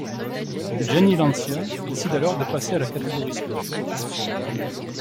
Gianni Lancia décide alors de passer à la catégorie Sport.